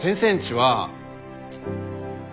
は